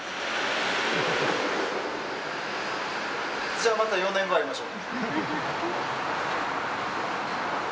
じゃあまた４年後、会いましょう。